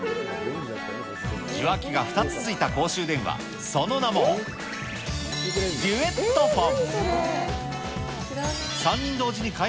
受話器が２つついた公衆電話、その名も、デュエットフォン。